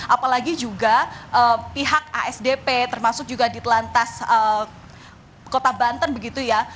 apalagi juga pihak asdp termasuk juga ditelantas kota banten begitu ya